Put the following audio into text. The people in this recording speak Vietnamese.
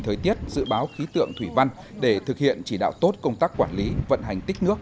thời tiết dự báo khí tượng thủy văn để thực hiện chỉ đạo tốt công tác quản lý vận hành tích nước